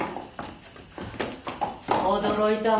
驚いたわ。